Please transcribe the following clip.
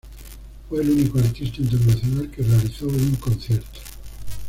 Fue el único artista internacional que realizó un concierto.